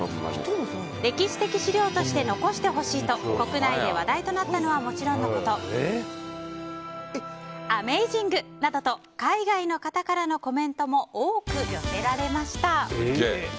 歴史的資料として残してほしいと国内で話題となったのはもちろんのことＡｍａｚｉｎｇ！などと海外の方からのコメントも多く寄せられました。